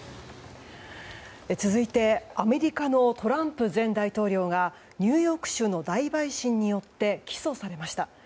続いてアメリカのトランプ前大統領がニューヨーク州の大陪審によって起訴されました。